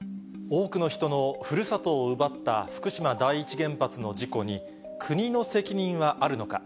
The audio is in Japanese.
多くの人のふるさとを奪った福島第一原発の事故に、国の責任はあるのか。